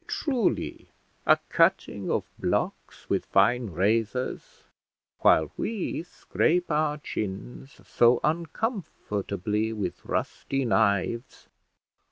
Truly, a cutting of blocks with fine razors while we scrape our chins so uncomfortably with rusty knives!